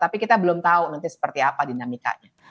tapi kita belum tahu nanti seperti apa dinamikanya